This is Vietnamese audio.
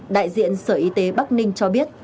đại diện sở y tế bắc ninh cho biết